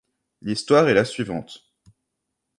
L'histoire est la suivante.